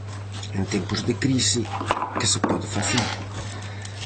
En tempos de crise, que se pode facer?